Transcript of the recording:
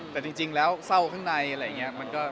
แต่จริงแล้วเศร้าข้างในอะไรอย่างนี้